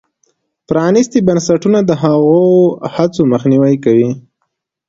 پرانیستي بنسټونه د هغو هڅو مخنیوی کوي.